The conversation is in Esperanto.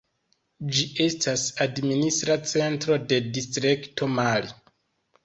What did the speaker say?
Ĝi estas administra centro de distrikto Mali.